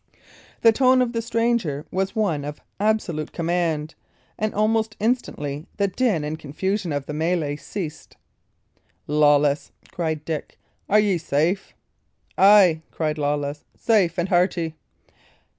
The tone of the stranger was one of absolute command, and almost instantly the din and confusion of the mellay ceased. "Lawless," cried Dick, "are ye safe?" "Ay," cried Lawless, "safe and hearty."